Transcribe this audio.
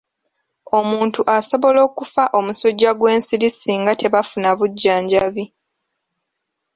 Omuntu asobola okufa omusujja gw'ensiri singa tebafuna bujjanjabi.